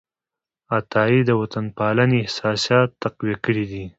عطايي د وطنپالنې احساسات تقویه کړي دي.